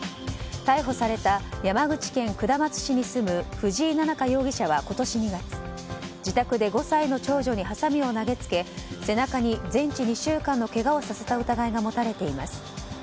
逮捕された山口県下松市に住む藤井菜々花容疑者は今年２月今年２月、自宅で５歳の長女にはさみを投げつけ背中に全治２週間のけがをさせた疑いが持たれています。